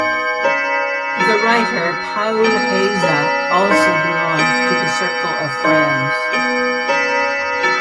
The writer Paul Heyse also belonged to the circle of friends.